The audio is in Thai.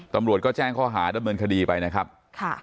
ตำรวจก็แจ้งข้อหาดำเนินคดีไปนะครับค่ะ